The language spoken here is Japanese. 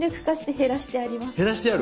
減らしてある？